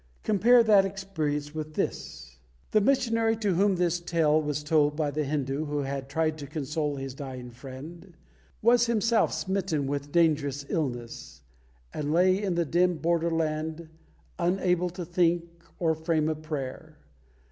Compare that experience with this: The missionary to whom this tale was told by the Hindu who had tried to console his dying friend, was himself smitten with dangerous illness, and lay in the dim borderland, unable to think or frame a prayer.